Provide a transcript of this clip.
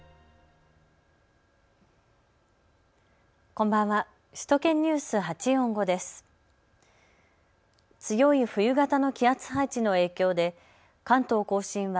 こんばんは。